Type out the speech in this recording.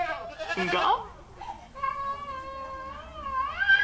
が。